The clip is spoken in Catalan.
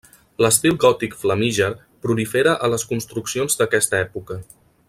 L'estil gòtic flamíger prolifera a les construccions d'aquesta època.